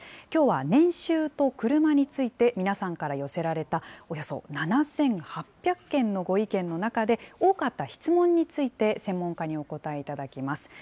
きょうは年収とクルマについて、皆さんから寄せられた、およそ７８００件のご意見の中で、多かった質問について、専門家にお答えいただきます。